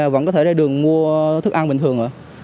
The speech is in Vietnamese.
vẫn có thể ra đường mua thức ăn bình thường